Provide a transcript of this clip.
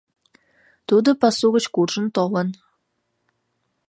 Тудо пасу гыч куржын толын.